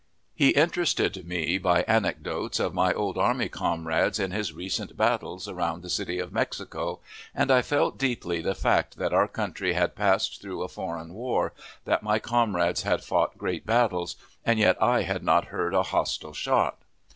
He interested me by anecdotes of my old army comrades in his recent battles around the city of Mexico, and I felt deeply the fact that our country had passed through a foreign war, that my comrades had fought great battles, and yet I had not heard a hostile shot.